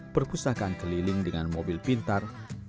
perpustakaan keliling dengan mobil pintar